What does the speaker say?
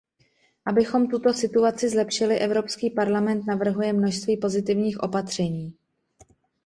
Abychom tuto situaci zlepšili, Evropský parlament navrhuje množství pozitivních opatření.